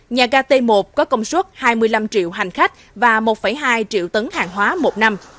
nhà ga t một có công suất hai mươi năm triệu hành khách và một hai triệu tấn hàng hóa một năm